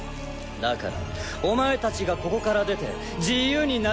だからお前たちがここから出て自由になることはできないよ。